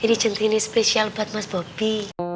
ini centini spesial buat mas bobby